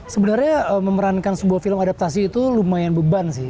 sebenarnya memerankan sebuah film adaptasi itu lumayan beban sih